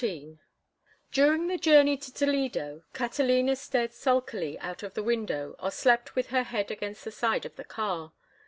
XIV During the journey to Toledo Catalina stared sulkily out of the window or slept with her head against the side of the car.